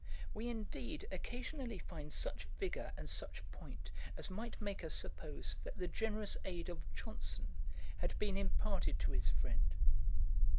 We, indeed, occasionally find such vigour and such point, as might make us suppose that the generous aid of Johnson had been imparted to his friend.